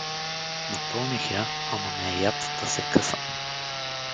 Напълних я, ама ме яд, та се късам.